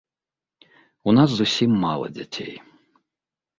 У нас зусім мала дзяцей.